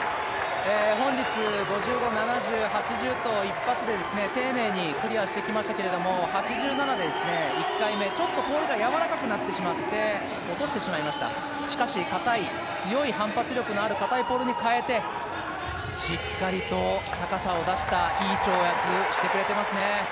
本日５５、７０、８０と１回で丁寧にクリアしてきましたけれども８７で１回目、ちょっとポールがやわらかくなってしまって落としてしまいました、しかし、強い反発力のあるかたいポールに変えてしっかりと高さを出したいい跳躍してくれていますね。